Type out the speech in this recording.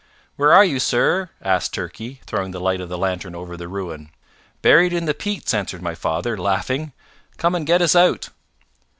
"Where are you, sir?" asked Turkey, throwing the light of the lantern over the ruin. "Buried in the peats," answered my father, laughing. "Come and get us out."